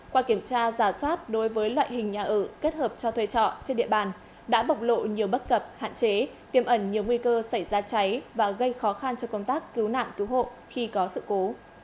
qua kiểm tra giả soát đối với loại hình nhà ở kết hợp cho thuê trọ trên địa bàn đã bộc lộ nhiều bất cập hạn chế tiềm ẩn nhiều nguy cơ xảy ra cháy và gây khó khăn cho công tác cứu nạn cứu hộ khi có sự cố